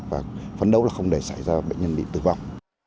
và phấn đấu là không để xảy ra bệnh nhân bị tử vong